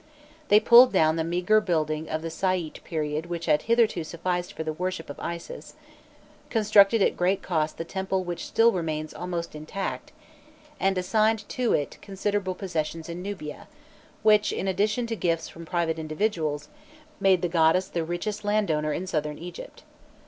They pulled down the meagre building of the Sa'ite period which had hitherto sufficed for the worship of Isis, constructed at great cost the temple which still remains almost intact, and assigned to it considerable possessions in Nubia, which, in addition to gifts from private individuals, made the goddess the richest landowner in Southern Egypt.